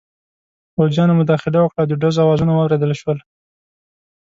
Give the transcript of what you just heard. پوځیانو مداخله وکړه او د ډزو اوازونه واورېدل شول.